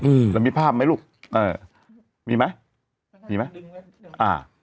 อืมแล้วมีภาพไหมลูกเออมีไหมมีไหมอ่า